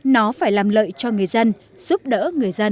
nó phải làm lợi cho người dân giúp đỡ người dân